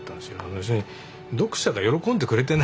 要するに読者が喜んでくれてないって。